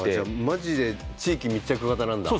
マジで地域密着型なんだ。